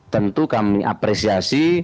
tentu kami apresiasi